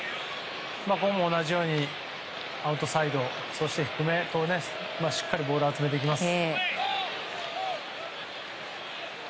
ここも同じようにアウトサイドそして低めへとしっかりボールを集めます。